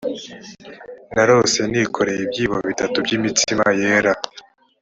narose nikoreye ibyibo bitatu by imitsima yera